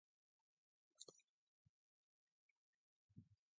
An episode of "Emergency Vets" entitled "Fitz's Day" showed snippets of his stand-up act.